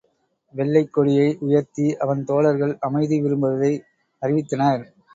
வெள்ளைக் கொடியை உயர்த்தி அவன் தோழர்கள் அமைதி விரும்புவதை அறிவித்தனர்.